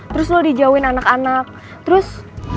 terus lo dijauhin anak anak terus